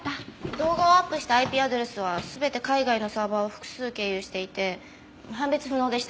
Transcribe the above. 動画をアップしたＩＰアドレスは全て海外のサーバーを複数経由していて判別不能でした。